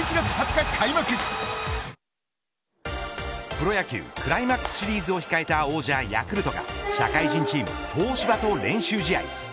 プロ野球クライマックスシリーズを控えた王者ヤクルトが社会人チーム、東芝と練習試合。